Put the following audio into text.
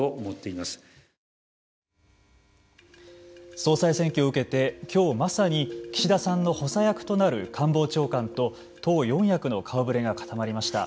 総裁選挙を受けてきょうまさに岸田さんの補佐役となる官房長官と党四役の顔ぶれが固まりました。